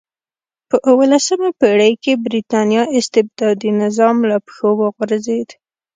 په اولسمه پېړۍ کې برېټانیا استبدادي نظام له پښو وغورځېد.